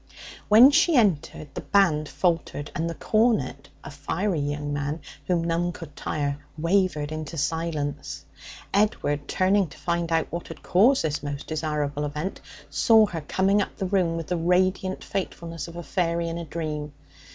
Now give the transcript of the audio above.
When she entered the band faltered, and the cornet, a fiery young man whom none could tire, wavered into silence. Edward, turning to find out what had caused this most desirable event, saw her coming up the room with the radiant fatefulness of a fairy in a dream.